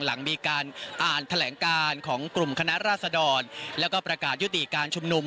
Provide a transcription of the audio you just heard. หลังมีการอ่านแถลงการของกลุ่มคณะราษดรแล้วก็ประกาศยุติการชุมนุม